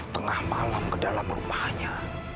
tengah malam ke dalam rumahnya